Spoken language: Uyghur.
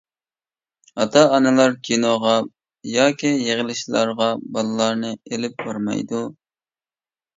ئاتا-ئانىلار كىنوغا ياكى يىغىلىشلارغا بالىلارنى ئېلىپ بارمايدۇ.